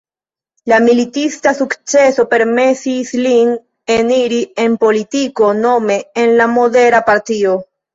La militista sukceso permesis lin eniri en politiko nome en la Modera Partio.